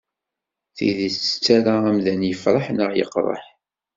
Tidet tettarra amdan yefreḥ neɣ yeqreḥ.